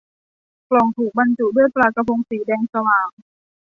กล่องถูกบรรจุด้วยปลากะพงสีแดงสว่าง